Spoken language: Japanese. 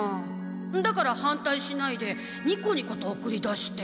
だから反対しないでニコニコと送り出して。